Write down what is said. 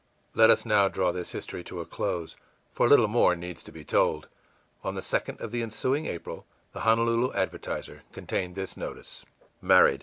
î Let us now draw this history to a close, for little more needs to be told. On the 2d of the ensuing April, the Honolulu Advertiser contained this notice: MARRIED.